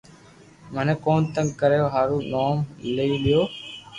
مني ڪون تنگ ڪريئا ھارون نوم لئي لي